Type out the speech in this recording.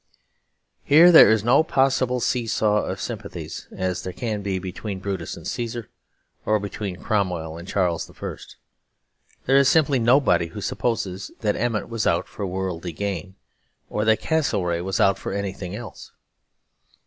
Here there is no possible see saw of sympathies as there can be between Brutus and Caesar or between Cromwell and Charles I.: there is simply nobody who supposes that Emmet was out for worldly gain, or that Castlereagh was out for anything else.